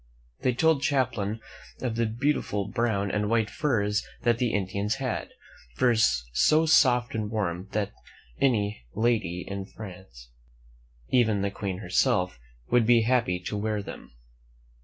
They told Champlain of the beautiful brown and white furs that the Indians had — furs so soft and warm that any lady in France, even the Queen herself, would be happy to wear them.